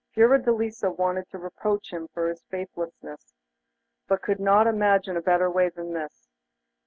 Fiordelisa wanted to reproach him for his faithlessness, and could not imagine a better way than this.